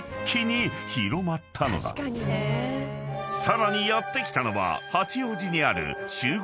［さらにやって来たのは八王子にある］